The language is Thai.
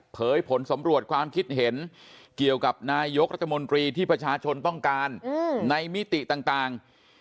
ผลสำรวจความคิดเห็นเกี่ยวกับนายกรัฐมนตรีที่ประชาชนต้องการในมิติต่าง